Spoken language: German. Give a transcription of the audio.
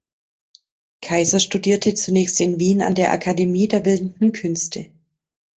Kaiser studierte zunächst in Wien an der Akademie der Bildenden Künste.